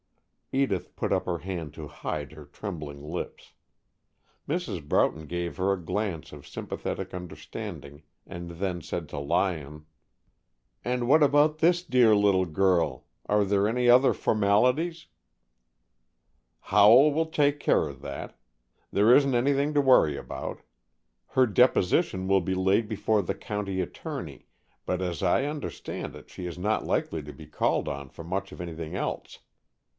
Edith put up her hand to hide her trembling lips. Mrs. Broughton gave her a glance of sympathetic understanding, and then said to Lyon, "And what about this dear little girl? Are there any other formalities, " "Howell will take care of that. There isn't anything to worry about. Her deposition will be laid before the county attorney, but as I understood it, she is not likely to be called on for much of anything else.